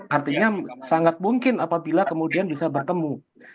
artinya sangat mungkin apabila kemudian bisa bertemu